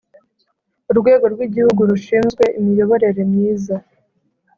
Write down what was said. Urwego rwigihugu rushinzwe Imiyoborere myiza